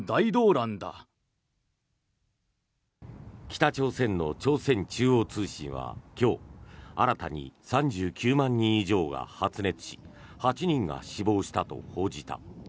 北朝鮮の朝鮮中央通信は今日新たに３９万人以上が発熱し８人が死亡したと報じた。